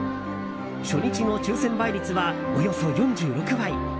初日の抽選倍率は、およそ４６倍。